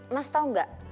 mas tau gak